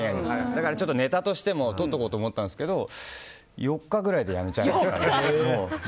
だから、ネタとしてとっておこうと思ったんですけど４日くらいでやめちゃいました。